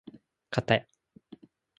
かたや